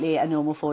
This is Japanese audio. そう。